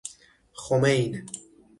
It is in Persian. خمین